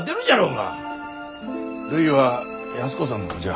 るいは安子さんの子じゃ。